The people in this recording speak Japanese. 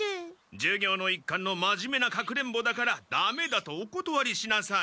授業の一環の真面目な隠れんぼだからダメだとおことわりしなさい。